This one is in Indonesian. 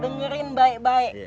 dengerin baik baik